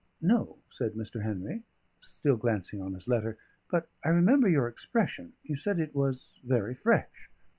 "No," said Mr. Henry, still glancing on his letter, "but I remember your expression. You said it was very fresh."